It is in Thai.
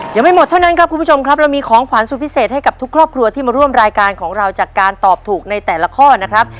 ยังไม่หมดเท่านั้นครับคุณผู้ชมครับเรามีของขวัญสุดพิเศษให้กับทุกครอบครัวที่มาร่วมรายการของเราจากการตอบถูกในแต่ละข้อนะครับ